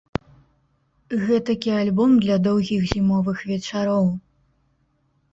Гэтакі альбом для доўгіх зімовых вечароў.